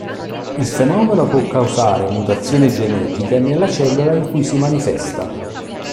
Il fenomeno può causare mutazioni genetiche nella cellula in cui si manifesta.